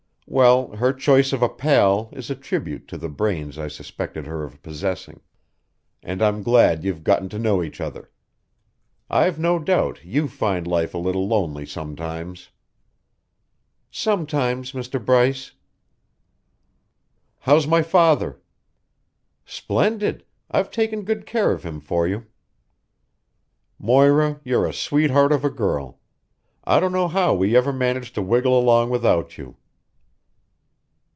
Well, her choice of a pal is a tribute to the brains I suspected her of possessing, and I'm glad you've gotten to know each other. I've no doubt you find life a little lonely sometimes." "Sometimes, Mr. Bryce." "How's my father?" "Splendid. I've taken good care of him for you." "Moira, you're a sweetheart of a girl. I don't know how we ever managed to wiggle along without you."